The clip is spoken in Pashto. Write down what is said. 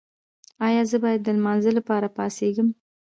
ایا زه باید د لمانځه لپاره پاڅیږم؟